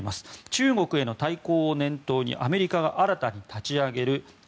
中国への対抗を念頭にアメリカが新たに立ち上げるＩＰＥＦ